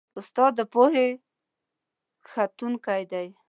استاد د پوهې کښتونکی دی.